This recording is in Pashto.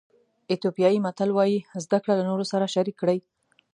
ایتیوپیایي متل وایي زده کړه له نورو سره شریک کړئ.